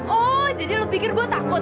oh jadi lu pikir gua takut